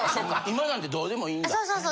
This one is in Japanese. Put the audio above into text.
今なんてどうでもいいんだ。